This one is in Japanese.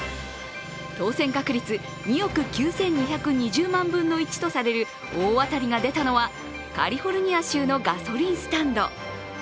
当選確率２億９２２０万分の１とされる大当たりが出たのはカリフォルニア州のガソリンスタンド。